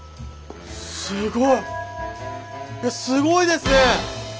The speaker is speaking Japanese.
すごいすごいですね！